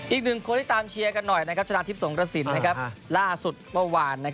อีกหนึ่งคนที่ตามเชียร์กันหน่อยชนะทิพย์สงกระสินล่าสุดเมื่อวาน